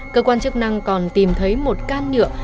cơ quan chức năng còn tìm thấy một can nhựa